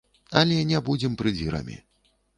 Але не будзем прыдзірамі.